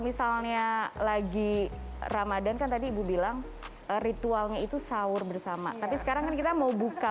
misalnya lagi ramadhan kan tadi ibu bilang ritualnya itu sahur bersama tapi sekarang kan kita mau buka